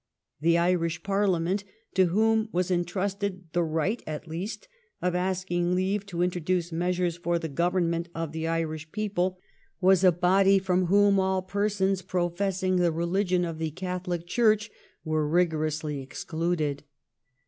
The Irish Parliament, to whom was entrusted the right at least of asking leave to introduce measures for the government of the Irish people, was a body from which all persons professing the religion of the Catholic Church were rigorously excluded.